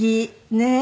ねえ。